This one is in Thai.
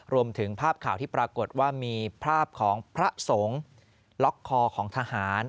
รวมถึงภาพข่าวที่ปรากฏว่ามีภาพของพระสงฆ์ล็อกคอของทหาร